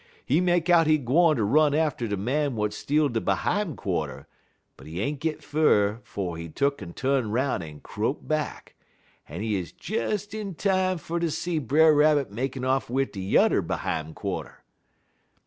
He make out he gwine ter run atter de man w'at steal de behime quarter, but he ain't git fur 'fo' he tuck'n tu'n 'roun' en crope back, en he 'uz des in time fer ter see Brer Rabbit makin' off wid de yuther behime quarter.